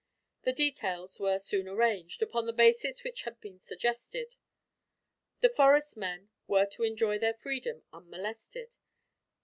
The details were soon arranged, upon the basis which had been suggested. The forest men were to enjoy their freedom, unmolested.